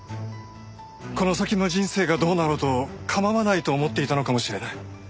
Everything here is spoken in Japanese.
この先の人生がどうなろうと構わないと思っていたのかもしれない。